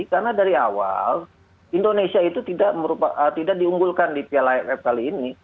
karena dari awal indonesia itu tidak diunggulkan di piala ff kali ini